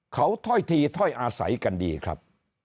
เขาถ้อยทีถ้อยอาศัยกันดีครับ